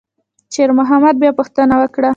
شېرمحمد بیا پوښتنه وکړه.